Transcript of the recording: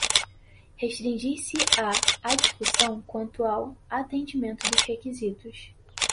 restringir-se-á à discussão quanto ao atendimento dos requisitos